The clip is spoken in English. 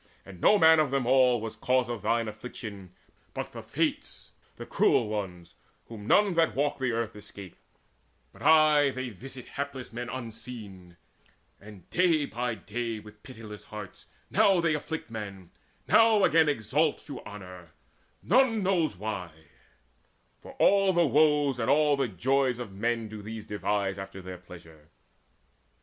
And no man of them all Was cause of thine affliction, but the Fates, The cruel ones, whom none that walk the earth Escape, but aye they visit hapless men Unseen; and day by day with pitiless hearts Now they afflict men, now again exalt To honour none knows why; for all the woes And all the joys of men do these devise After their pleasure."